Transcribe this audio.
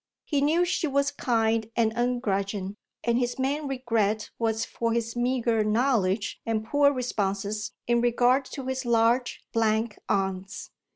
He knew she was kind and ungrudging, and his main regret was for his meagre knowledge and poor responses in regard to his large blank aunts.